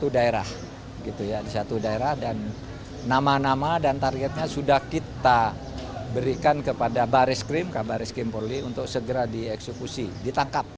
di satu daerah nama nama dan targetnya sudah kita berikan kepada baris krim kabaris krim polri untuk segera dieksekusi ditangkap